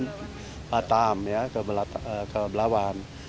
dan batam ya ke belawan